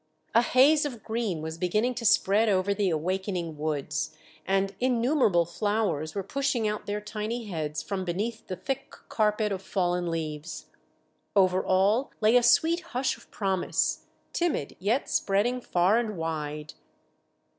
A haze of green was beginning to spread over the awakening woods, and innumerable flowers were pushing out their tiny heads from beneath the thick carpet of fallen leaves. Over all lay a sweet hush of promise, timid yet spreading far and wide.